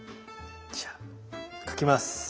じゃあ描きます。